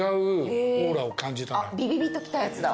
ビビビッときたやつだ。